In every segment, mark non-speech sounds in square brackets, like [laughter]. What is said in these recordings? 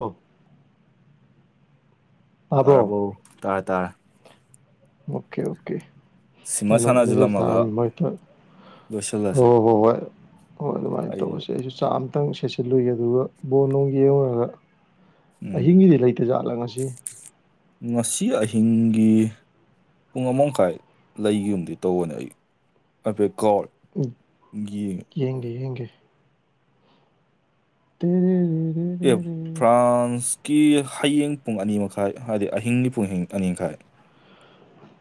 ꯑꯣ ꯇꯥꯕ꯭ꯔꯣ ꯇꯥꯔꯕꯣ ꯇꯥꯔꯦ ꯇꯥꯔꯦ ꯑꯣꯀꯦ ꯑꯣꯀꯦ ꯁꯤꯃ ꯑꯩꯩꯅꯉꯗ ꯃꯦꯁꯦꯁ ꯁꯥꯟꯅꯁꯤꯜꯂꯝꯃꯒ ꯊꯥꯔꯃꯤ [inaudible] ꯍ ꯂꯣꯏꯁꯤꯜꯂꯁꯦ ꯍꯣ ꯍꯣꯏ ꯍ ꯑꯗꯨ ꯑꯩꯁꯨ ꯃꯥꯥꯏꯁꯦ ꯆꯥꯛ ꯑꯃꯇꯪ ꯁꯦꯆꯜꯂꯨꯏꯒ ꯑꯗꯨꯒ ꯕꯣꯔ ꯅꯨꯡ ꯌꯦꯡꯉꯨꯔꯒ ꯎꯝ ꯑꯍꯤꯡꯒꯤꯗꯤ ꯂꯩꯇꯖꯥꯠꯂ ꯉꯁꯤ ꯉꯁꯤ ꯑꯍꯤꯡꯒꯤ ꯄꯨꯡ ꯑꯃ ꯃꯈ ꯃꯈꯥꯏ ꯂꯩꯈꯤꯕꯨꯝꯗꯤ ꯇꯧꯕꯅꯦ ꯑꯩ ꯍꯥꯏꯐꯦꯠ ꯀꯥꯎ ꯎꯝ ꯌꯦꯡꯒꯦ ꯌꯦꯡꯒꯦ [inaudible] ꯑꯦ ꯐ꯭ꯔꯥꯟꯁꯀꯤ ꯍꯌꯦꯡ ꯄꯨꯡ ꯑꯅꯤ ꯃꯈꯥꯏ ꯍꯥꯏꯗꯤ ꯑꯍꯤꯡꯒꯤ ꯄꯨꯡ ꯑꯅꯤꯡꯈꯥꯏ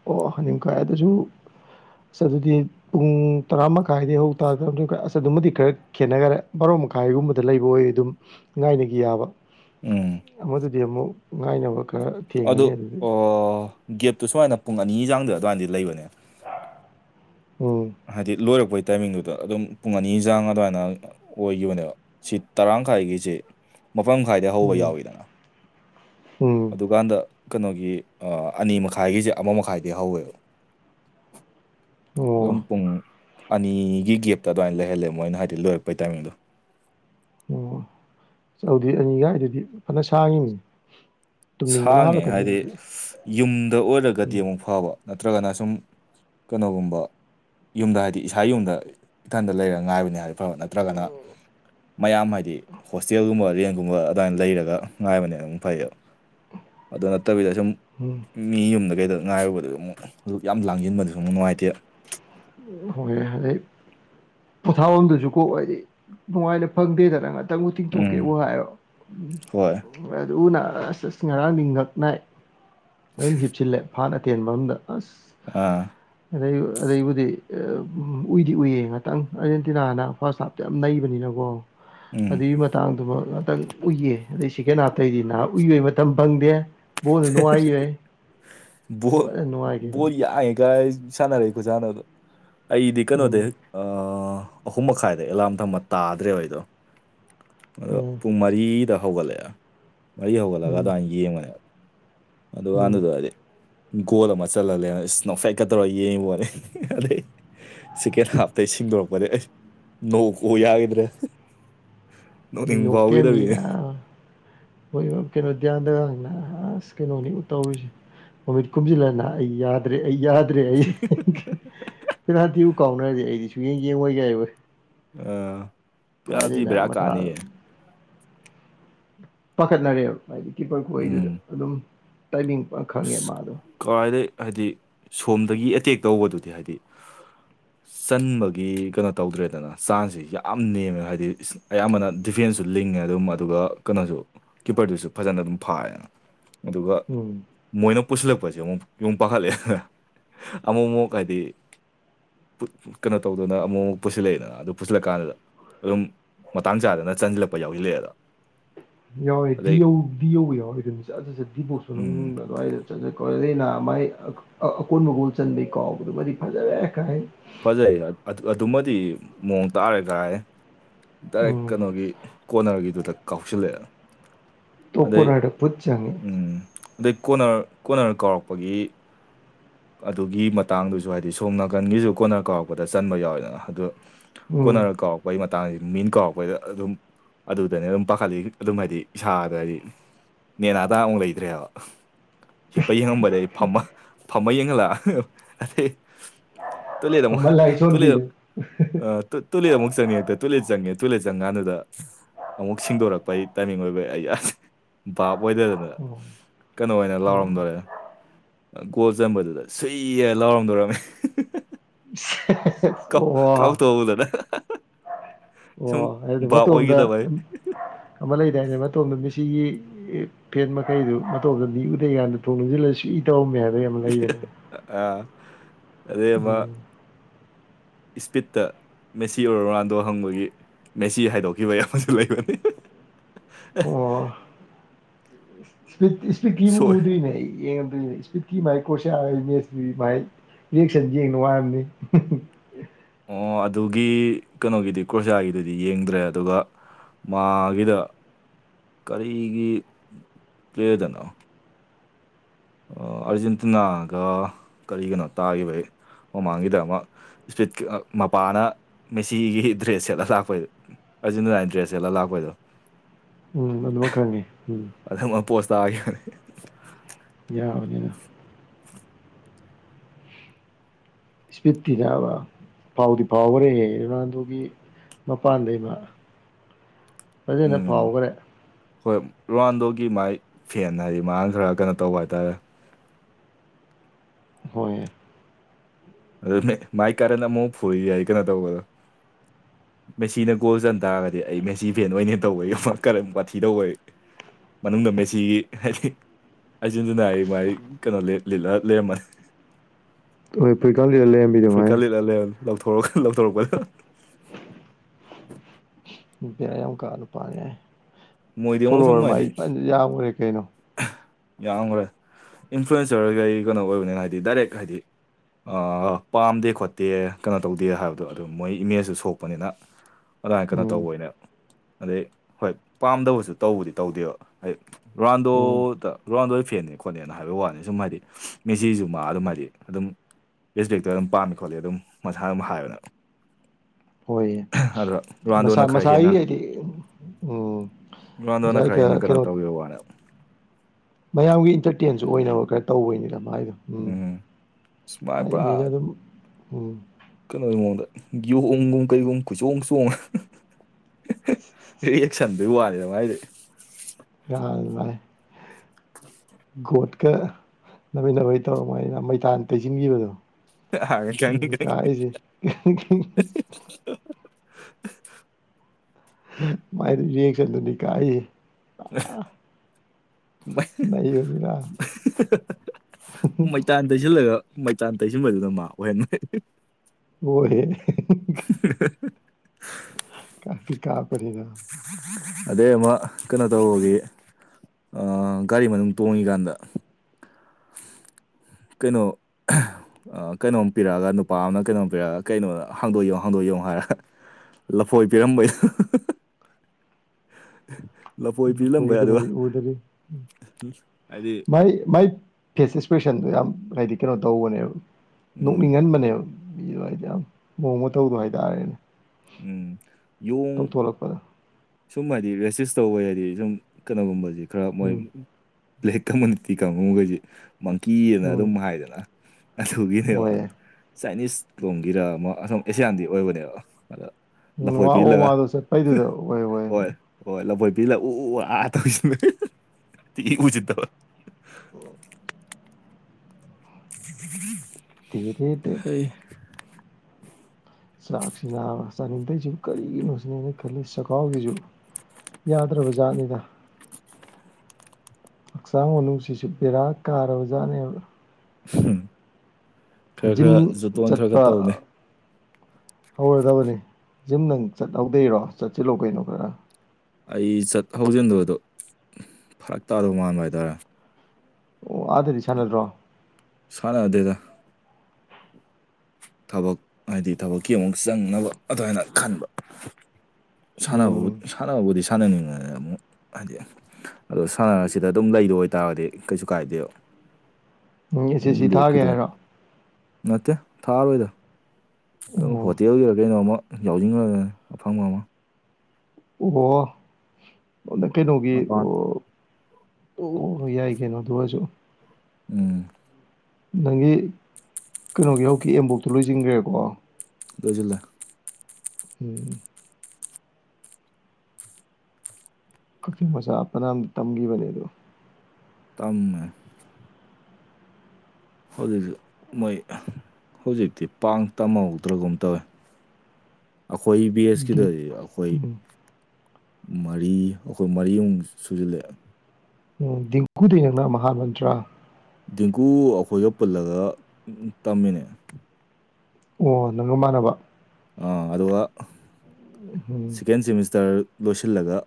ꯑꯣ ꯑꯅꯤꯡꯈꯥꯏ ꯑꯗꯨꯁꯨ ꯑꯁ ꯑꯗꯨꯗꯤ ꯄꯨꯡ ꯇꯔꯥ ꯃꯈꯥꯏꯗꯩꯩ ꯍꯧ ꯇꯥꯔꯗꯤ ꯑꯗꯨꯃꯗꯤ ꯈꯔ ꯈꯦꯠꯅꯈꯔꯦ ꯕꯥꯔꯣ ꯃꯈꯥꯏ ꯈꯥꯏꯒꯨꯝꯕꯗ ꯂꯩꯕ ꯑꯣꯏ ꯑꯗꯨꯝ ꯉꯥꯏꯅꯒꯤ ꯌꯥꯕ ꯎꯝ ꯑꯃꯗꯨꯗꯤ ꯑꯃꯨꯛ ꯉꯥꯏꯅꯕ ꯈꯔ ꯑꯗꯣ ꯊꯦꯡꯉꯅꯤ ꯑꯗꯨꯗꯤ ꯑꯣ ꯒꯦꯞꯇꯨ ꯁꯨꯃꯥꯏꯅ ꯄꯨꯡ ꯑꯅꯤꯒꯤ ꯆꯥꯡꯗ ꯑꯗꯨꯃꯥꯏꯅꯗꯤ ꯂꯩꯕꯅꯦ ꯎꯝ ꯍꯥꯏꯗꯤ ꯂꯣꯏꯔꯛꯄꯩ ꯇꯥꯏꯃꯤꯡꯗꯨꯗ ꯑꯗꯨꯝ ꯄꯨꯡ ꯑꯅꯤ ꯆꯥꯡ ꯑꯗꯨꯃꯥꯏꯅ ꯑꯣꯏꯈꯤꯕꯅꯦꯕ ꯁꯤ ꯇꯔꯥ ꯃꯈꯥꯏꯒꯤꯁꯤ ꯃꯥꯄꯟ ꯈꯥꯏꯗꯩ ꯍꯧꯕ ꯎꯝ ꯌꯥꯎꯏꯗꯅꯥ ꯎꯝ ꯑꯗꯨꯀꯥꯟꯗ ꯀꯩꯅꯣꯒꯤ ꯑꯅꯤ ꯃꯈꯥꯏꯒꯤꯁꯦ ꯑꯃ ꯃꯈꯥꯏꯗꯩꯩ ꯍꯧꯋꯦꯕ ꯑꯣ ꯑꯗꯨꯝ ꯄꯨꯡ ꯑꯅꯤꯒꯤ ꯒꯦꯞꯇ ꯑꯗꯨꯃꯥꯏꯅ ꯂꯩꯍꯜꯂꯦ ꯃꯣꯏꯅ ꯍꯥꯏꯗꯤ ꯂꯣꯏꯔꯛꯄꯩ ꯇꯥꯏꯃꯤꯡꯗꯣ ꯑꯣ ꯑꯗꯨꯗꯤ ꯑꯅꯤꯒꯥꯏꯗꯨꯗꯤ ꯐꯅ ꯁꯥꯡꯉꯤꯅꯦ ꯁꯥꯡꯉꯦ ꯍꯥꯏꯗꯤ ꯌꯨꯝꯗ ꯑꯣꯏꯔꯒꯗꯤ ꯎꯝ ꯑꯃꯨꯛ ꯐꯕ ꯅꯠꯇ꯭ꯔꯒꯅ ꯁꯨꯝ ꯀꯩꯅꯣꯒꯨꯝꯕ ꯌꯨꯝꯗ ꯍꯥꯏꯗꯤ ꯏꯁꯥꯏ ꯌꯨꯝꯗ ꯏꯊꯟꯗ ꯂꯩꯔ ꯉꯥꯏꯕꯅꯦ ꯍꯥꯏꯕ ꯐꯕ ꯅꯠꯇ꯭ꯔꯒꯅ ꯃꯌꯥꯝ ꯍꯥꯏꯗꯤ ꯍꯣꯁꯇꯦꯜꯒꯨꯝꯕ ꯔꯦꯟꯒꯨꯝꯕ ꯑꯗꯨꯃꯥꯏꯅ ꯂꯩꯔꯒ ꯉꯥꯏꯕꯅꯦ ꯑꯃꯨꯛ ꯐꯩꯌꯦꯕ ꯑꯗꯨ ꯅꯠꯇꯕꯤꯗ ꯁꯨꯝ ꯎꯝ ꯃꯤ ꯌꯨꯝꯗ ꯀꯩꯗ ꯉꯥꯏꯔꯨꯕꯗꯨ ꯑꯃꯨꯛ ꯌꯥꯝ ꯂꯥꯡꯁꯤꯟꯕꯗꯨꯁꯨ ꯑꯃꯨꯛ ꯅꯨꯡꯉꯥꯏꯇꯦ ꯍꯣꯏ ꯑꯗꯩ ꯄꯣꯊꯥꯕꯝꯗꯨꯁꯨ ꯀꯣꯛ ꯍꯥꯏꯗꯤ ꯅꯨꯡꯉꯥꯏꯅ ꯐꯪꯗꯦꯗꯅ ꯇꯪꯕꯨ ꯇꯤꯡꯊꯣꯛꯀꯦ ꯎꯝ ꯋꯥꯏꯌꯦꯕ ꯎꯝ ꯍꯣꯏ ꯑꯗꯨꯅ ꯑꯁ ꯑꯁ ꯉꯔꯥꯡꯗꯤ ꯉꯛ ꯅꯥꯏ ꯑꯗꯨꯝ ꯍꯤꯞꯆꯤꯜꯂꯦ ꯐꯥꯟ ꯑꯇꯦꯟꯕ ꯑꯝꯗ ꯑꯁ ꯑꯥ ꯑꯗꯩ ꯑꯗꯩ ꯗꯤ ꯎꯏꯗꯤ ꯎꯏꯌꯦ ꯉꯥꯛꯇꯪ ꯑꯥꯔꯖꯦꯟꯇꯤꯅꯥꯅ ꯐꯥꯔꯁ ꯍꯥꯞꯇ ꯌꯥꯝ ꯅꯩꯕꯅꯤꯅꯀꯣ ꯎꯝ ꯑꯗꯩꯩꯕ ꯃꯇꯥꯡꯗꯨꯃ ꯉꯥꯛꯇꯪ ꯎꯏꯌꯦ ꯑꯗꯩ ꯁꯦꯀꯦꯟ ꯍꯥꯐꯇꯩꯗꯤ ꯅꯥꯕ ꯎꯏꯕꯩ ꯃꯇꯝ ꯐꯪꯗꯦ ꯕꯣꯜꯖꯨ ꯅꯨꯡꯉꯥꯏꯌꯦ ꯕꯣꯜ ꯕꯣꯜ ꯌꯥꯡꯉꯦꯒꯥꯏ ꯁꯥꯟꯅꯔꯛꯏ ꯈꯨꯁꯥꯟꯅꯗꯣ ꯑꯩꯗꯤ ꯀꯅꯣꯗ ꯎꯝ ꯑꯥ ꯑꯍꯨꯝ ꯃꯈꯥꯏꯗ ꯑꯦꯂꯥꯔꯝ ꯊꯝꯃ ꯇꯥꯗ꯭ꯔꯦꯕ ꯑꯩꯗꯣ ꯑꯗꯣ ꯎꯝ ꯄꯨꯡ ꯃꯔꯤꯗ ꯍꯧꯒꯠꯂꯛꯑꯦ ꯃꯔꯤ ꯍꯧꯒꯠꯂꯒ ꯎꯝ ꯑꯗꯨꯃꯥꯏꯅ ꯌꯦꯡꯕꯅꯦꯕ ꯎꯝ ꯑꯗꯨꯀꯥꯟꯗꯨꯗꯗꯤ ꯒꯣꯜ ꯑꯃ ꯆꯜꯂ ꯂꯩꯔꯝꯃꯦ ꯏꯁ ꯅꯣꯛꯐꯦꯠꯀ ꯇꯧꯔꯒ ꯌꯦꯡꯉꯤꯕꯣꯠꯅꯤ ꯑꯗꯩ ꯁꯦꯀꯦꯟ ꯍꯥꯞꯇꯩ ꯁꯤꯡꯗꯣꯔꯛꯄꯗꯩꯩ ꯑꯩ ꯅꯣꯛꯎ ꯌꯥꯈꯤꯗ꯭ꯔꯦ ꯅꯣꯛꯅꯤꯡ ꯐꯥꯎꯒꯤꯗꯕꯤꯅꯦ ꯏꯅꯣꯀꯦꯃꯤꯔ ꯃꯣꯏ ꯀꯩꯅꯣ ꯗꯌꯥꯟꯗꯒꯅ ꯑꯁ ꯀꯩꯅꯣꯅꯤ ꯎ ꯇꯧꯔꯤꯁꯦ ꯃꯃꯤꯠ ꯈꯨꯝꯖꯤꯜꯂꯅ ꯑꯩ ꯌꯥꯗ꯭ꯔꯦ ꯑꯩ ꯌꯥ ꯗ꯭ꯔꯦ ꯑꯩ ꯄꯦꯅꯥꯜꯇꯤꯕꯨ ꯀꯥꯎꯅꯔꯗꯤ ꯑꯩꯗꯤ ꯁꯨꯛꯌꯦꯡ ꯌꯦꯡꯉꯣꯏ ꯒ ꯍꯥꯏꯕꯣꯏ ꯑ ꯄꯦꯅꯥꯜꯇꯤ ꯕꯦꯔꯥ ꯃꯊꯥ ꯀꯥꯅꯤꯌꯦ ꯄꯥꯈꯠꯅꯔꯦꯕ ꯍꯥꯏꯗꯤ ꯀꯤꯞꯄꯔ ꯈꯨꯍꯩꯗꯨꯗ ꯎꯝ ꯑꯗꯨꯝ ꯇꯥꯏꯃꯤꯡ ꯐꯟ ꯈꯪꯉꯦ ꯃꯥꯗꯣ ꯀꯥꯏꯗꯩꯩ ꯍꯥꯏꯗꯤ ꯁꯣꯝꯗꯒꯤ ꯑꯦꯇꯦꯛ ꯇꯧꯕꯗꯨꯗꯤ ꯍꯥꯏꯗꯤ ꯆꯟꯕꯒꯤ ꯀꯩꯅꯣ ꯇꯧꯗ꯭ꯔꯦꯗꯅ ꯆꯥꯟꯁꯁꯤ ꯌꯥꯝ ꯅꯦꯝꯃꯦ ꯍꯥꯏꯗꯤ ꯑꯌꯥꯝꯕꯅ ꯗꯤꯐꯦꯟꯁꯁꯨ ꯂꯤꯡꯉꯦ ꯑꯗꯨꯝ ꯑꯗꯨꯒ ꯀꯩꯅꯣꯁꯨ ꯀꯤꯞꯄꯔꯗꯨꯁꯨ ꯐꯖꯅ ꯑꯗꯨꯝ ꯐꯥꯏꯌꯦ ꯑꯗꯨꯒ ꯎꯝ ꯃꯣꯏꯅ ꯄꯨꯁꯤꯜꯂꯛꯄꯁꯦ ꯑꯃꯨꯛ ꯌꯨꯝ ꯄꯥꯈꯠꯂꯛꯑꯦ ꯑꯃꯨꯛ ꯑꯃꯨꯛ ꯍꯥꯏꯗꯤ ꯀꯩꯅꯣ ꯇꯧꯗꯅ ꯑꯃꯨꯃꯨꯛ ꯄꯨꯁꯤꯜꯂꯛꯑꯦꯗꯅ ꯑꯗꯨ ꯄꯨꯁꯤꯜꯂꯀꯥꯟꯗꯨꯗ ꯑꯗꯨꯝ ꯃꯇꯥꯡ ꯆꯥꯗꯅ ꯆꯟꯁꯤꯜꯂꯛꯄ ꯌꯥꯎꯁꯤꯜꯂꯛꯑꯦꯗꯣ ꯌꯥꯎꯋꯦ ꯗꯤ ꯌꯧ ꯗꯤ ꯌꯧꯕ ꯌꯥꯎꯋꯦ ꯑꯗꯨꯃꯤ ꯆꯠ ꯑꯗꯨ ꯆꯠ ꯗꯤ ꯕꯣꯛꯁꯨ ꯎꯝ ꯃꯅꯨꯡ ꯑꯗꯨꯋꯥꯏꯗ ꯗꯩ ꯅꯍ ꯃꯥꯏ ꯑꯀꯣꯟ ꯃꯒꯣꯜ ꯆꯟꯕꯩ ꯀꯥꯎꯕꯗꯨꯃꯗꯤ ꯐꯖꯔꯦ ꯈꯥꯏ ꯐꯖꯩ ꯑꯗꯨꯃꯗꯤ ꯃꯑꯣꯡ ꯇꯥꯔꯦ ꯀꯥꯏ ꯗꯥꯏꯔꯦꯛ ꯎꯝ ꯀꯩꯅꯣꯒꯤ ꯀꯣꯅꯔꯒꯤꯗꯨꯗ ꯀꯥꯎꯁꯤꯜꯂꯛꯑꯦ ꯇꯣꯞ ꯑꯗꯩ ꯀꯣꯔꯅꯔꯗ ꯐꯨꯠ ꯆꯪꯉꯦ ꯎ ꯑꯗꯩ ꯀꯣꯅꯔ ꯀꯣꯅꯔ ꯀꯥꯎꯔꯛꯄꯒꯤ ꯑꯗꯨꯒꯤ ꯃꯇꯥꯡꯗꯨꯁꯨ ꯍꯥꯏꯗꯤ ꯁꯣꯝ ꯅꯥꯀꯟꯒꯤꯁꯨ ꯀꯣꯅꯔ ꯀꯧꯔꯛꯄꯗ ꯆꯟꯕ ꯌꯥꯎꯋꯦꯗꯅ ꯑꯗꯨꯗ ꯎꯝ ꯀꯣꯅꯔ ꯀꯥꯎ ꯃꯒꯤ ꯃꯇꯥꯡꯁꯤ ꯃꯤꯟ ꯀꯧꯔꯛꯄꯩꯗ ꯑꯗꯨꯝ ꯑꯗꯨꯗꯅꯦ ꯑꯗꯨꯝ ꯄꯥꯈꯠꯂꯤ ꯑꯗꯨꯝ ꯍꯥꯏꯗꯤ ꯏꯁꯥꯗ ꯍꯥꯏꯗꯤ ꯅꯦꯅꯥꯗ ꯑꯃꯨꯛ ꯂꯩꯇ꯭ꯔꯦꯕ ꯍꯤꯞꯄ ꯌꯦꯡꯉꯝꯕꯗ ꯑꯩ ꯐꯝꯃ ꯐꯝꯃ ꯌꯦꯡꯍꯜꯂ ꯑꯗꯩ ꯇꯂꯗꯃꯣ ꯑꯃ ꯇꯂꯗ ꯂꯥꯏꯁꯣꯟꯕꯤꯗꯣ ꯇꯨꯂꯦꯠꯨꯛꯪꯉꯦꯛꯇ ꯇꯨꯂꯦꯠ ꯆꯪꯉꯦ ꯇꯨꯂꯦꯠ ꯆꯪ ꯀꯥꯟꯗꯨꯗ ꯑꯃꯨꯛ ꯁꯤꯡꯗꯣꯔꯛꯄ ꯑꯩ ꯇꯥꯏꯃꯤꯡ ꯑꯣꯏꯕ ꯑꯩ ꯑꯁ ꯚꯥꯞ ꯑꯣꯏꯗꯗꯅ ꯑꯣ ꯀꯩꯅꯣ ꯑꯣꯏꯅ ꯂꯥꯎꯔꯝꯗꯣꯔꯦ ꯀꯣꯜ ꯆꯟꯝꯕꯗꯨꯗ ꯁꯨꯏꯔ ꯂꯥꯎꯔꯝꯗꯣꯔꯔꯝꯃꯦ [unintelligible] ꯀ ꯀꯥꯎ ꯑꯣ ꯊ ꯍꯕꯨꯗꯗ ꯁ ꯑꯗꯨꯗꯣ ꯃꯇꯣꯝꯗ ꯑꯃ ꯂꯩꯗꯥ ꯍꯥꯏꯇꯥ ꯃꯇꯣꯝꯗ ꯃꯤꯁꯤꯒꯤ ꯑꯦ ꯐꯦꯟ ꯃꯈꯩꯗꯨ ꯃꯇꯣꯝꯗ ꯅꯤ ꯎꯗꯩ ꯌꯥꯝꯅ ꯊꯣꯡ ꯂꯁꯤꯜꯂꯁꯨ ꯏ ꯇꯧꯔꯝꯃꯦ ꯍꯥꯏꯕ ꯑ ꯑꯦ ꯃꯥ ꯎꯝ ꯏꯁ꯭ꯄꯤꯠꯇ ꯃꯦꯁꯤ ꯑꯣꯏꯔꯣ ꯔꯣꯅꯥꯜꯗꯣ ꯍꯪꯕꯒꯤ ꯅꯁꯤ ꯍꯥꯏꯗꯣꯛꯈꯤꯕ ꯌꯥꯝꯁꯨ ꯂꯩꯕꯅꯦ ꯁꯣꯛꯑꯦ ꯑꯣꯗꯅ ꯌꯦ ꯀꯤ ꯃꯥꯥꯏ ꯀꯣꯠꯁꯦ ꯌꯥꯔ ꯑꯩ ꯃꯦꯁꯇ꯭ꯔꯤ ꯃꯥꯥꯏ ꯔꯤꯌꯦꯛꯁꯟ ꯌꯦꯡꯅ ꯋꯥꯔꯝꯅꯤ ꯑꯣ ꯑꯗꯨꯒꯤ ꯀꯩꯅꯣꯒꯤꯗꯤ ꯀꯣꯔ꯭ꯔꯖꯤꯌꯥꯒꯤꯗꯨꯗꯤ ꯌꯦꯡꯗ꯭ꯔꯦ ꯑꯗꯨꯒ ꯃꯥꯒꯤꯗ ꯀꯔꯤꯒꯤ ꯄ꯭ꯂꯦꯗꯅꯣ ꯑꯥꯔꯖꯦꯟꯇꯤꯅꯥꯒ ꯀꯔꯤꯒꯤꯅꯣ ꯇꯥꯈꯤꯕꯒꯤ ꯃꯃꯥꯡꯒꯤꯗ ꯑꯃ ꯏꯁꯄꯤꯠ ꯃꯄꯥꯅ ꯃꯦꯁꯤꯒꯤ ꯗ꯭ꯔꯦꯁ ꯁꯦꯠꯂ ꯂꯥꯛꯄꯩ ꯑꯔꯖꯦꯟꯇꯤꯅꯥꯏ ꯗ꯭ꯔꯦꯁ ꯁꯦꯠꯂ ꯂꯥꯛꯄꯩꯗꯣ ꯎꯝ ꯑꯗꯨꯃ ꯈꯪꯉꯦ ꯎꯝ ꯃꯊꯪ ꯑꯃ ꯄꯣꯁ ꯇꯥꯒꯤꯕꯅꯦ ꯌꯥꯕꯅꯤꯅ ꯏꯁꯄꯤꯠ ꯇꯤ ꯅꯥꯕ ꯐꯥꯎꯗꯤ ꯐꯥꯎꯈꯔꯦꯍꯦ ꯔꫭꯅꯥꯟꯗꯣꯒꯤ ꯃꯄꯥꯟꯗꯩꯃ ꯎ [inaudible] ꯐꯖꯅ ꯐꯥꯎꯈ꯭ꯔꯦ ꯍꯣꯏ ꯔꯣꯅꯥꯜꯗꯣꯒꯤ ꯃꯥꯏ ꯐꯦꯟ ꯍꯥꯏꯗꯤ ꯃꯥꯥꯅ ꯈꯔ ꯀꯩꯅꯣ ꯇꯧꯕ ꯍꯥꯏꯇꯥꯔꯦ ꯍꯣꯏ ꯑꯗꯨ ꯃꯥꯏ ꯀꯥꯔꯟ ꯑꯃꯨꯃꯨꯛ ꯐꯨꯏꯌꯦ ꯑꯩ ꯀꯩꯅꯣ ꯇꯧꯕꯗꯣ ꯃꯦꯁꯤꯅ ꯒꯣꯜ ꯆꯟ ꯇꯥꯔꯒꯗꯤ ꯑꯩ ꯃꯦꯁꯤ ꯐꯦꯟ ꯑꯣꯏꯅꯤ ꯇꯧꯕꯩ ꯀꯔꯝ ꯄꯥꯊꯤ ꯇꯧꯕ ꯃꯅꯨꯡꯗ ꯃꯦꯁꯤꯒꯤ ꯍꯥꯏꯗꯤ ꯑꯔꯖꯦꯟꯇꯤꯅꯥꯏ ꯃꯥꯥꯏ ꯀꯩꯅꯣ ꯂꯤꯂ ꯂꯩꯔꯝꯃꯅꯤ ꯍꯣꯏ ꯐꯨꯔꯤꯠꯀ ꯂꯤꯠꯂ ꯂꯩꯔꯝꯕꯤꯗꯣ ꯃꯥꯏ ꯐꯨꯔꯤꯠꯀ ꯂꯤꯠ ꯂꯩ ꯂꯧꯊꯣꯔꯛ ꯂꯧꯊꯣꯔꯛꯄꯗꫭ ꯕꯦꯔꯥ ꯌꯥꯝ ꯀꯥ ꯅꯨꯄꯥꯥꯅꯦ ꯃꯣꯏꯗꯤ ꯑꯃꯨꯛ ꯁꯨꯝ ꯐꯣꯂꯣꯋꯔ ꯃꯥꯥꯏ ꯍꯥꯏꯗꯤ ꯐꯅ ꯌꯥꯝꯈꯔꯦ ꯀꯩꯅꯣ ꯌꯥꯝꯈ꯭ꯔꯦ ꯏꯟꯐ꯭ꯂꯨꯋꯟꯁꯔꯈꯩ ꯀꯩꯅꯣ ꯑꯣꯏꯕꯅꯤꯅ ꯍꯥꯏꯗꯤ ꯗꯥꯏꯔꯦꯛ ꯍꯥꯏꯗꯤ ꯑ ꯄꯥꯝꯗꯦ ꯈꯣꯠꯇꯦ ꯀꯩꯅꯣ ꯇꯧꯗꯦ ꯍꯥꯏꯕꯗꯣ ꯑꯗꯨ ꯃꯣꯏ ꯏꯃꯦꯖꯇꯨ ꯁꯣꯛꯄꯅꯤꯅ ꯑꯗꯥꯟ ꯀꯩꯅꯣ ꯎꯝ ꯇꯧꯕꯅꯦ ꯑꯗꯩ ꯍꯣꯏ ꯄꯥꯝꯗꯕꯁꯨ ꯇꯧꯕꯗꯤ ꯇꯧꯗꯦꯕ ꯍꯥꯏ ꯎꯝ ꯔꯣꯅꯥꯥꯟꯗꯣꯗ ꯔꫭꯅꯥꯟꯗꫭꯏ ꯐꯦꯟꯅꯤ ꯈꯣꯠꯅꯦꯅ ꯍꯥꯏꯕꯩ ꯋꯥꯅꯤ ꯁꯨꯝ ꯍꯥꯏꯗꯤ ꯃꯦꯁꯤꯖꯨ ꯃꯥ ꯑꯗꯨꯝ ꯍꯥꯏꯗꯤ ꯑꯗꯨꯝ ꯔꯦꯁꯄꯦꯛꯇ ꯑꯗꯨꯝ ꯄꯥꯝꯃꯤ ꯈꯣꯠꯂꯤ ꯑꯗꯨꯝ ꯃꯁꯥ ꯑꯗꯨꯝ ꯍꯥꯏꯕꯅꯦ ꯍꯣꯏ ꯑꯗ ꯃꯁꯥ ꯔꯣꯅꯥꯜꯗꯣꯅ ꯈꯔ ꯃꯁꯥꯒꯤ ꯍꯦꯟꯅ ꯍꯥꯏꯗꯤ ꯎꯝ ꯔꫭꯅꯥꯟꯗꯣꯅ ꯈꯔ ꯍꯦꯟꯅ ꯀꯩꯅꯣ ꯇꯧꯕ ꯋꯥꯅꯦꯕ ꯃꯌꯥꯝꯒꯤ ꯏꯟꯇꯔꯇꯦꯟꯖꯨ ꯑꯣꯏꯅꯕ ꯈꯔ ꯇꯧꯕꯩꯅꯤꯗ ꯃꯥꯏꯗꯣ ꯎꯝ ꯃꯥꯏ ꯍꯥꯏꯗꯤ ꯃꯤꯅ ꯑꯗꯨꯝ ꯎꯝ ꯀꯩꯅꯣ ꯃꯉꯣꯟꯗ ꯌꫭꯡꯒꯨꯝ ꯀꯩꯒꯨꯝ ꯀꯣꯏꯆꯣꯡ ꯆꯣꯡꯉ ꯔꯤꯌꯦꯛꯁꯟꯗꯨꯒꯤ ꯋꯥꯅꯤꯗ ꯃꯥꯏꯗꯤ ꯌꯥꯥꯕꯅꯤ ꯃꯥꯖꯦ ꯒꯣꯠꯀ ꯅꯃꯤꯟꯅꯕꯩ ꯇꯧꯔꯃꯩꯅ ꯃꯩꯇꯥꯟ ꯇꯩꯁꯤꯟꯈꯤꯕꯗꯣ ꯑꯗꯨꯅꯤ ꯀꯥꯛꯏꯖꯦ ꯃꯥꯏ ꯔꯤꯌꯦꯛꯁꯟꯗꯨꯅꯤ ꯀꯥꯛꯏꯖꯦ [unintelligible] [unintelligible] ꯅꯩꯕꯅꯤ ꯅꯥ ꯃꯩꯇꯥꯟ ꯇꯩꯁꯤꯜꯂꯒ ꯃꯩꯇꯥꯟ ꯇꯩꯁꯤꯟꯕꯗꯨꯅ ꯃꯥ ꯑꯣꯏꯍꯟꯕ ꯍ‌ꯣꯏꯍ‌ꯦ ꯍ [unintelligible] ꯀꯥꯛꯇꯤ ꯀꯥꯛꯄꯅꯤꯗ ꯑꯗꯩ ꯑꯃ ꯀꯩꯅꯣ ꯇꯧꯕꯒꯤ ꯑ ꯒꯥꯔꯤ ꯃꯅꯨꯡ ꯇꯣꯡꯉꯤꯀꯥꯟꯗ ꯀꯩꯅꯣ ꯑ ꯀꯩꯅꯣꯝ ꯄꯤꯔꯛꯑꯒ ꯅꯨꯄꯥ ꯑꯃꯅ ꯀꯩꯅꯣꯝ ꯄꯤꯔꯛꯑꯒ ꯀꯩꯅꯣꯝ ꯍꯥꯡꯗꯣꯛ ꯌꯣꯡ ꯍꯥꯡꯗꯣꯛ ꯌꫭꯡ ꯍꯥꯏꯔꯒ ꯂꯐꯣꯏ ꯄꯤꯔꯝꯕꯩ [unintelligible] ꯂꯐꫭꯏ ꯄꯤꯔꯝꯕꯩ ꯑꯗꯨꯒ ꯗꯨꯃꯗꯤ ꯎꯗꯔꯤ ꯍꯥꯏꯗꯤ ꯃꯥꯏ ꯃꯥꯏ ꯐꯦꯁ ꯑꯦꯛꯁꯄ꯭ꯔꯦꯁꯟꯗꯣ ꯌꯥꯝ ꯍꯥꯏꯗꯤ ꯀꯩꯅꯣ ꯇꯧꯕꯅꯦꯕ ꯎꯝ ꯅꯣꯛꯅꯤꯡꯍꯟꯕꯅꯦꯕ ꯗ ꯍꯥꯏꯗꯤ ꯌꯥꯝ ꯃꯑꫭꯡꯡ ꯃꯇꯧꯗꫭ ꯍꯥꯏꯇꯥꯔꯦꯅꯦ ꯎꯝ ꯌꫭꯡ ꯇꯧꯊꯣꯂꯛꯄꯗꯣ ꯁꯨꯝ ꯍꯥꯏꯗꯤ ꯔꯦꯁꯤꯁ ꯇꯧꯕ ꯍꯥꯏꯗꯤ ꯁꯨꯝ ꯀꯩꯅꯒꯨꯝꯕꯁꯦ ꯈꯔ ꯃꯣꯏ ꯎꯝ ꯕ꯭ꯂꯦꯛ ꯀꯝꯃꯨꯅꯤꯇꯤ ꯀꯥꯡꯒꯩꯖꯤ ꯃꯪꯀꯤꯑꯅ ꯑꯗꯨꯝ ꯎꯝ ꯍꯥꯏꯗꯅ ꯑꯗꯨꯒꯤꯅꯦꯕ ꯍꯣꯏ ꯆꯥꯏꯅꯤꯁꯂꯣꯝꯒꯤꯔ ꯑꯃꯨꯛ ꯑꯁꯣꯝ ꯑꯦꯁꯤꯌꯥꯟꯗꯤ ꯑꯣꯏꯕꯅꯦꯕ ꯑꯗ ꯎ ꯂꯐꯣꯏ ꯋꯥ ꯋꯥ ꯄꯤꯜꯂꯒ ꯃꯥꯗ ꯆꯠꯄꯥꯏꯗꯨꯗ ꯑꯣꯏ ꯋꯥ ꯍꯣꯏ ꯍꯣꯏ ꯂꯐꯣꯏꯕꯤꯤ ꯂꯎ ꯑꯥ ꯇꯧꯁꯤꯇꯤ ꯎꯁꯤꯠꯇꯕ ꯍ [unintelligible] ꯇꯤꯔ‌ꯦꯇ‌ꯦ ꯍꯩ ꯆꯥꯛꯁꯤ ꯅꯥ ꯆꯥꯅꯤꯡꯗꯁꯤꯁꯨ ꯀꯔꯤꯒꯤꯅꯣꯁꯤꯅꯦꯅ ꯈꯜꯂꯤ ꯆꯥꯛꯈꯥꯎꯈꯤꯁꯨ ꯌꯥꯗ꯭ꯔꯕ ꯖꯥꯠꯅꯤꯗ ꯍꯛꯆꯥꯡ ꯃꯅꯨꯡꯁꯤꯁꯨ ꯕꯦꯔꯥ ꯀꯥꯔꯕ ꯖꯥꯠꯅꯦꯕ ꯈꯔ ꯖꯤꯝ ꯈꯔ ꯖꯠꯇꯣꯟ ꯈꯔ ꯈꯔ ꯆꯠꯄ ꯇꯧꯅꯤ ꯍꯧꯔꯗꯕꯅꯤ ꯁꯝ ꯅꯪ ꯆꯠꯍꯧꯗꯩꯔꯣ ꯆꯠꯁꯤꯜꯂꯛꯑꯣ ꯀꯩꯅꯣ ꯈꯔ ꯑꯩ ꯆꯠ ꯍꯧꯖꯤꯟꯗꯕꯗꯣ ꯐꯔꯛ ꯇꯥꯗꯧ ꯃꯥꯟꯕ ꯍꯥꯏꯇꯥꯔꯦ ꯑꯣ ꯑꯥꯗꯗꯤ ꯁꯥꯟꯅꯗ꯭ꯔꯣ ꯁꯥꯅ ꯗ‌ꯦꯗ ꯊꯕꯛ ꯍꯥꯏꯗꯤ ꯊꯕꯛꯀꯤ ꯑꯃꯨꯛ ꯆꯪꯅꯕ ꯑꯗꯨꯃꯥꯏꯅ ꯈꯟꯕ ꯁꯥꯟꯅꯕꯕꯨ ꯎꯝ ꯁꯥꯟꯅꯕꯕꯨꯗꯤ ꯁꯥꯟꯅꯅꯤꯡꯉꯥꯏ ꯑꯃꯨꯛ ꯍꯥꯏꯗꯤ ꯑꯗꯣ ꯁꯥꯟꯅꯕꯔꯁꯤꯗ ꯑꯗꯨꯝ ꯂꯩꯗ ꯑꯣꯏꯇꯥꯔꯒꯗꯤ ꯀꯩꯁꯨ ꯀꯥꯏꯗꯦ ꯎꯝ ꯑꯦꯁ ꯎ ꯑꯦꯁ ꯁꯤ ꯊꯥꯒꯦ ꯂꯞꯈꯤꯗ ꯍꯥꯏꯔꯣ ꯅꯠꯇꯦ ꯊꯥꯔ ꯑꯣꯏꯗ ꯑꯗꯨ ꯑꯣ ꯍꯣꯇꯦꯜꯒꯤꯔ ꯀꯩꯅꯣꯝꯃ ꯌꯥꯎꯖꯟꯈ꯭ꯔꯗꯅꯤ ꯑꯐꯪꯕ ꯑꯃ ꯑꯣꯍ ꯀꯩꯅꯣꯒꯤ ꯃꯄꯥꯟ ꯑꯣ ꯑꯣ ꯌꯥꯏ ꯀ ꯅꯣ ꯊꯑꯁꯨ ꯎꯝ ꯅꯪꯒꯤ ꯀꯩꯅꯣꯒꯤ ꯍꯧꯛꯀꯤ ꯑꯦꯝꯕꯣꯛꯇꯣ ꯂꯣꯏꯁꯤꯟꯈ꯭ꯔꯦꯀꯣ ꯂ‌ꯣꯏꯖꯤꯜꯂ‌ꯦ ꯎꯝ ꯀꯥꯛꯆꯤꯡ ꯃꯆꯥ ꯐꯥꯅꯝ ꯇꯝꯈꯤꯕꯅꯦ ꯑꯗꯣ ꯇꯝꯃꯦ ꯍꯧꯖꯤꯛꯁꯨ ꯃꯣꯏ ꯍꯧꯖꯤꯛꯇꯤ ꯄꯥꯡ ꯇꯝꯍꯧꯗ꯭ꯔꯒꯨꯝ ꯇꯧꯋꯦ ꯑꯩꯈꯣꯏ ꯗꯤꯡ ꯕꯦꯁꯀꯤꯗꯂꯩꯌꯦ ꯑꯩꯈꯣꯏ ꯃꯔꯤ ꯑꯩꯈꯣꯏ ꯃꯔꯤꯃꯨꯛ ꯁꯨꯖꯤꯜꯂꯛꯑꯦ ꯑꯎ ꯗꯤꯡꯀꯨꯗꯩ ꯅꯪꯅ ꯃꯈꯥ ꯅꯠꯇ꯭ꯔꯥ ꯗꯤꯡꯀꯨ ꯑꯩꯈꯣꯏꯒ ꯄꯨꯜꯂꯒ ꯇꯝꯃꯤꯅꯦ ꯑꯣ ꯅꯪꯒ ꯃꯥꯟꯅꯕ ꯑꯥ ꯑꯗꯨꯒ ꯎꯝ ꯁꯦꯀꯦꯟ ꯁꯦꯃꯤꯁꯇ꯭ꯔ ꯂꯣꯏꯁꯤꯜꯂꯒ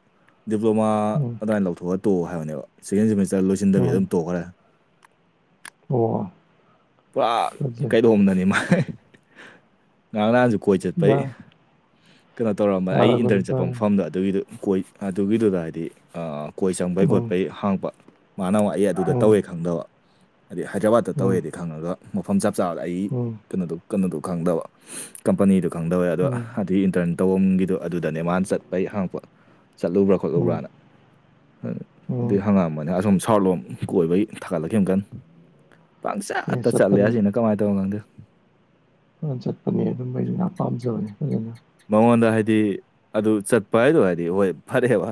ꯗꯤꯄ꯭ꯂꯣꯃꯥ ꯎꯝ ꯑꯗꯨꯃꯥꯏꯅ ꯂꯧꯊꯣꯛꯑꯒ ꯇꯣꯛꯑꯣ ꯍꯥꯏꯕꯅꯦꯕ ꯁꯦꯀꯦꯟ ꯁꯦꯃꯤꯁꯇꯔ ꯂꯣꯏꯁꯤꯟꯗꯕꯤꯗ ꯎꯝ ꯑꯗꯨꯝ ꯇꯣꯛꯈ꯭ꯔꯦ ꯑꯣ ꯄꯨꯔꯥ ꯐꯖꯩ ꯀꯩꯗꯣꯝꯗꯅꯤ ꯃꯥ ꯉꯍꯥꯡ ꯅꯍꯥꯟꯁꯨ ꯀꯣꯏꯕ ꯌꯥ ꯆꯠꯄꯩ ꯀꯩꯅꯣ ꯇꯧꯔꯝꯕ ꯑꯩ ꯇꯥꯔꯕꯅꯤ ꯏꯟꯇ꯭ꯔꯟ ꯆꯠꯄ ꯎꯝ ꯃꯐꯝꯗꯣ ꯑꯗꯨꯒꯤꯗꯨ ꯀꯣꯏ ꯑꯗꯨꯒꯤꯗꯨꯗ ꯍꯥꯏꯗꯤ ꯀꯣꯏ ꯆꯪꯕꯩ ꯈꯣꯠꯄꯩ ꯍꯥꯡꯄ ꯃꯥꯅ ꯃꯥ ꯑꯩ ꯑꯗꯨꯗ ꯎꯝ ꯇꯧꯋꯦ ꯈꯪꯗꯕ ꯍꯥꯏꯗꯤ ꯍꯥꯏꯗ꯭ꯔꯕꯥꯠꯇ ꯎꯝ ꯇꯧꯋꯦꯗꯤ ꯈꯪꯉꯒ ꯃꯐꯝ ꯆꯞ ꯆꯥꯕꯗ ꯑꯩ ꯎꯝ ꯀꯩꯅꯣꯗꯣ ꯀꯩꯅꯣꯗꯣ ꯈꯪꯗꯕ ꯀꯝꯄꯅꯤꯗꯨ ꯈꯪꯗꯕꯩ ꯑꯗꯣ ꯎꯝ ꯑꯗꯨꯒꯤ ꯏꯟꯇ꯭ꯔꯟ ꯇꯧꯕꯝꯒꯤꯗꯣ ꯑꯗꯨꯗꯅꯦ ꯃꯥꯅ ꯆꯠꯄꯩ ꯍꯥꯡꯉꯛꯄ ꯆꯠꯂꯨꯕ꯭ꯔꯥ ꯎꯝ ꯈꯣꯠꯂꯨꯕ꯭ꯔꯅ ꯎꯝ ꯑꯗꯨꯗꯩ ꯍꯪꯉꯛꯑꯝꯕꯅꯦ ꯑꯁꯣꯝ ꯁꯥꯎꯊ ꯂꯣꯝ ꯀꯣꯏꯕꯩ ꯊꯥꯒꯠꯂꯛꯈꯤꯕ ꯀꯟ ꯑꯦ ꯄꯪꯆꯠꯇ ꯆꯠꯂꯦ ꯆꯠꯄꯅꯤ ꯑꯁꯤꯅ ꯀꯃꯥꯏꯅ ꯇꯧꯕꯅꯣ ꯈꯪꯗꯦ [inaudible] ꯆꯠꯄꯅꯦ ꯑꯗꯨꯝꯕꯩꯗꯤ ꯌꯥꯝ ꯄꯥꯝꯖꯕꯅꯦ ꯐꯖꯅ ꯃꯉꯣꯟꯗ ꯍꯥꯏꯗꯤ ꯑꯗꯨ ꯆꯠꯄ ꯍꯥꯏꯗꯣ ꯍꯥꯏꯗꯤ ꯍꯣꯏ ꯐꯔꯦꯕ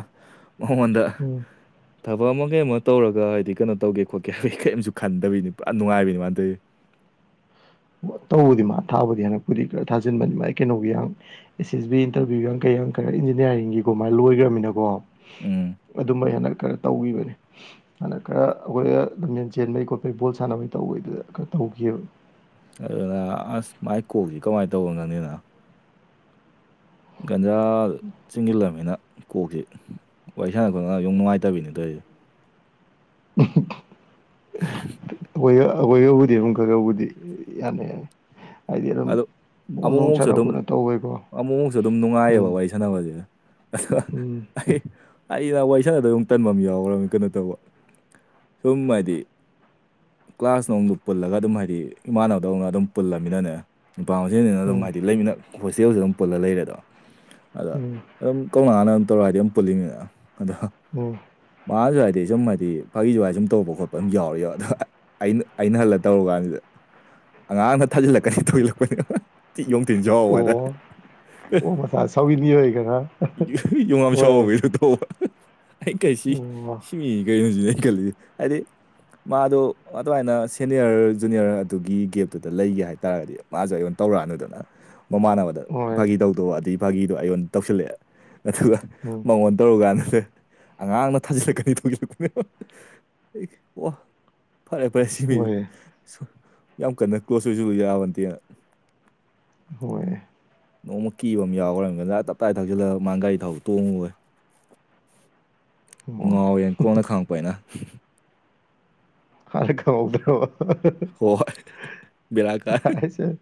ꯃꯉꯣꯟꯗ ꯎꯝ [unintelligible] ꯊꯕꯛ ꯑꯃ ꯀꯩ ꯑꯃ ꯇꯧꯔꯒ ꯍꯥꯏꯗꯤ ꯀꯩꯅꯣ ꯇꯧꯒꯦ ꯈꯣꯠꯀꯦ ꯍꯥꯏꯕ ꯀꯔꯤꯝꯁꯨ ꯈꯟꯗꯕꯤꯅꯤ ꯄꯨꯔꯥ ꯅꯨꯡꯉꯥꯏꯕꯅꯤ ꯃꯥꯅ [inaudible] ꯇꯧꯕꯗꯤ ꯃꯥ ꯊꯥꯕꯨꯗꯤ ꯍꯟꯗꯛꯄꯨꯗꯤ ꯈꯔꯥ ꯊꯥꯖꯤꯟꯕꯅꯤ ꯃꯥ ꯀꯩꯅꯣꯒꯤ ꯌꯥꯝ ꯑꯦꯁ ꯑꯦꯁ ꯕꯤ ꯏꯟꯇ꯭ꯔꯚꯤꯌ [inaudible] [inaudible] ꯏꯟꯖꯤꯅꯤꯌꯥꯔꯤꯡꯒꯤ ꯀꯣ ꯃꯥꯏ ꯂꯣꯏꯈ꯭ꯔꯃꯤꯅꯀꯣ ꯎꯝ ꯑꯗꯨꯝꯃ ꯍꯦꯟꯗꯛ ꯈꯔ ꯇꯧꯒꯤꯕꯅꯤ ꯍꯟꯗꯛ ꯈꯔ ꯑꯩꯈꯣꯏꯗ ꯂꯝꯖꯦꯟ ꯆꯦꯟꯕꯩ ꯈꯣꯠꯄꯩ ꯕꯣꯜ ꯁꯥꯟꯅꯕꯩ ꯇꯧꯕꯒꯤꯗꯨꯗ ꯈꯔ ꯇꯧꯈꯤꯕꯅꯦ ꯑꯗꯨꯅ ꯑꯁ ꯃꯥꯏ ꯀꯣꯛꯁꯤ ꯀꯃꯥꯏꯅ ꯇꯧꯕꯅꯣ ꯉꯪꯅꯤꯅ ꯒꯟꯖꯥ ꯆꯤꯡꯁꯤꯜꯂꯝꯅꯤꯅ ꯀꯣꯛꯁꯤ ꯋꯥꯔꯤ ꯁꯥꯟꯅꯕ [inaudible] ꯅꯨꯡꯉꯥꯏꯇꯕꯤꯅꯦ ꯇꯧꯔꯤꯁꯦ [inaudible] [unintelligible] ꯑꯩꯈꯣꯏꯒ ꯑꯩꯈꯣꯏꯒꯕꯨꯗꯤ ꯈꯔ ꯈꯔꯕꯨꯗꯤ ꯌꯥꯅꯤ ꯌꯥꯅꯤ ꯍꯥꯏꯗꯤ ꯑꯗꯨꯝ ꯑꯗꯣ ꯕꯣꯜ ꯅꯨꯡ ꯑꯃꯨꯛꯃꯨꯛꯁꯨ ꯁꯥꯟꯅ ꯑꯗꯨꯝ ꯈꯣꯠꯅ ꯇꯧꯕꯩꯀꯣ ꯑꯃꯨꯛꯃꯨꯛꯁꯨ ꯑꯗꯨꯝ ꯅꯨꯡꯉꯥꯏꯌꯦꯕ ꯎꯝ ꯋꯥꯔꯤ ꯁꯥꯟꯅꯕꯁꯦ ꯎꯝ [inaudible] ꯑꯩ ꯑꯩꯅ ꯋꯥꯔꯤꯁꯥꯟꯗꯣꯢ ꯗꯨꯝ ꯇꯟꯕ ꯑꯃ ꯌꯥꯎꯈ꯭ꯔꯕꯅꯤ ꯀꯩꯅꯣ ꯇꯧꯕ ꯇꯨꯝꯃꯗꯤ ꯀ꯭ꯂꯥꯁꯅꯨꯡꯗꯨ ꯄꯨꯜꯂꯒ ꯑꯗꯨꯝ ꯍꯥꯏꯗꯤ ꯏꯃꯥꯟꯅꯕꯗꯧꯅ ꯑꯗꯨꯝ ꯄꯨꯜꯂꯃꯤꯅꯅꯦ ꯅꯨꯄꯥ ꯃꯁꯦꯜꯅꯤꯅ ꯑꯗꯨꯝ ꯎꯝ ꯍꯥꯏꯗꯤ ꯂꯩꯃꯤꯟꯅ ꯍꯣꯁꯇꯦꯜꯁꯨ ꯑꯗꯨꯝ ꯄꯨꯜꯂ ꯂꯩꯔꯦꯗꯣ ꯑꯗ ꯎꯝ ꯑꯗꯨꯝ ꯀꯧꯉꯥꯅ ꯑꯗꯨꯝ ꯇꯧꯔꯛꯑꯗꯤ ꯑꯗꯨꯝ ꯄꯨꯜꯂꯤꯃꯤꯅ ꯑꯗꯣ ꯎꯝ ꯃꯥꯁꯨ ꯍꯥꯏꯗꯤ ꯁꯨꯝ ꯍꯥꯏꯗꯤ ꯐꯥꯒꯤꯖꯣꯢ ꯒꯥꯏ ꯁꯨꯝ ꯇꯔꯧꯕ ꯈꯣꯠꯄ ꯑꯗꯨꯝ ꯌꯥꯎꯔꯤ [inaudible] ꯑꯩꯅ ꯑꯩꯅ ꯍꯜꯂ ꯇꯧꯔꯨ ꯀꯥꯟꯁꯤꯗ ꯑꯉꯥꯡꯅ ꯊꯥꯖꯤꯜꯂꯛꯀꯅꯤ [inaudible] [inaudible] ꯑꯣ [inaudible] [inaudible] [inaudible] ꯑꯣ ꯑꯩ ꯀꯁꯤ ꯑꯣ ꯁꯤ ꯃꯤ ꯀꯩꯅꯣꯁꯤꯅꯦ ꯑꯩ ꯈꯜꯂꯤꯁꯦ ꯍꯥꯏꯗꯤ ꯃꯥꯗꯣ ꯑꯗꯨꯃꯥꯏꯅ ꯁꯦꯅꯤꯑꯔ ꯖꯨꯅꯤꯑꯔ ꯑꯗꯨꯒꯤ ꯒꯦꯞꯇꯨꯗ ꯂꯩꯒꯦ ꯍꯥꯏꯇꯥꯔꯒꯗꯤ ꯃꯥꯁꯨ ꯑꯩꯉꯣꯟ ꯇꯧꯔꯛꯑꯅꯨꯗꯅ ꯃꯃꯥꯟꯅꯕꯗ ꯍꯣꯏ ꯐꯥꯒꯤ ꯇꯧꯗꯣ ꯋꯗꯤ ꯐꯥꯒꯤꯗꯣ ꯑꯩꯉꯣꯟꯗ ꯇꯧꯁꯤꯜꯂꯛꯑꯦ ꯑꯗꯨꯒ ꯎꯝ ꯃꯉꯣꯟꯗ ꯇꯧꯔꯨ ꯀꯥꯟꯗꯗꯤ ꯑꯉꯥꯡꯅ ꯊꯥꯖꯤꯜꯂꯛꯀꯅꯤ ꯊꯣꯡꯤꯜꯂꯛꯄꯅꯦ ꯑꯣ ꯐꯔꯦ ꯐꯔꯦ ꯁꯤ ꯃꯤ ꯍꯣꯏ ꯁꯨꯝ ꯌꯥꯝ ꯀꯟꯅ ꯀ꯭ꯂꯣꯖ ꯑꯣꯏꯁꯨ ꯌꯥꯕꯗꯦꯅ ꯍꯣꯏ ꯅꯣꯡꯃ ꯀꯤ ꯑꯃ ꯌꯥꯎꯈ꯭ꯔꯝꯅꯤꯅꯥꯏ ꯇꯞ ꯇꯥꯏ ꯊꯛꯖꯤꯜꯂꯒ ꯃꯥꯒꯤ ꯒꯥꯔꯤ ꯊꯥꯎ ꯇꯣꯡꯉꯨꯨꯔꯦ ꯑꯣ ꯉꯉꯥꯎꯋꯦꯅ ꯀꯣꯟꯅ ꯈꯥꯡꯉꯛꯄ ꯍꯥꯏꯅ ꯍꯜ ꯀꯕꯥꯎꯗ꯭ꯔꯕ ꯍꯣꯏ ꯍꯣꯏ ꯕꯦꯔꯥ ꯀꯥꯏ ꯍꯥꯏꯁꯦ